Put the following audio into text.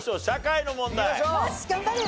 社会の問題。